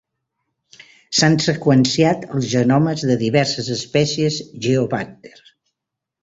S'han seqüenciat els genomes de diverses espècies "Geobàcter".